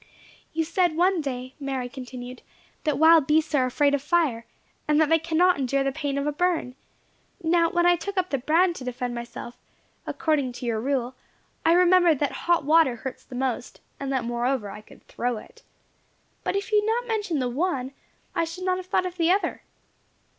"You said one day," Mary continued, "that wild beasts are afraid of fire, and that they cannot endure the pain of a burn. Now when I took up the brand to defend myself, according to your rule, I remembered that hot water hurts the most, and that moreover I could throw it. But if you had not mentioned the one, I should not have thought of the other."